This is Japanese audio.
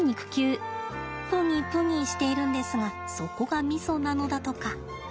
プニプニしているんですがそこがミソなのだとか。